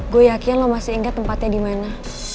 gue yakin lo masih ingat tempatnya di mana